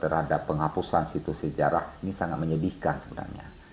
terhadap penghapusan situs sejarah ini sangat menyedihkan sebenarnya